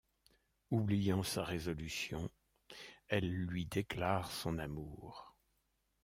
Oubliant sa résolution, elle lui déclare son amour.